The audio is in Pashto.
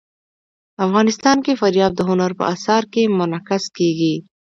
افغانستان کې فاریاب د هنر په اثار کې منعکس کېږي.